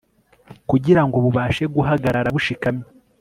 kugira ngo bubashe guhagarara bushikamye